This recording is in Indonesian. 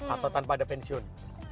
atau tanpa ada pensiun